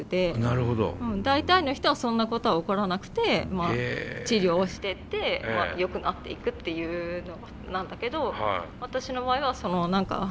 大体の人はそんなことは起こらなくて治療をしてってよくなっていくっていうのがなんだけど私の場合は何かどえらいくじ引いたっていうか。